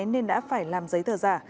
nên đã phải làm giấy thờ giả